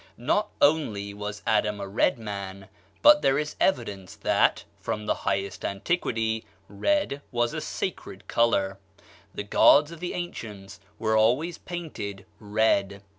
Not only was Adam a red man, but there is evidence that, from the highest antiquity, red was a sacred color; the gods of the ancients were always painted red.